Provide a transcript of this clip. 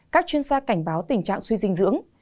các chuyên gia cảnh báo tình trạng suy dinh dưỡng